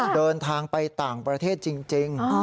เดินทางไปต่างประเทศจริง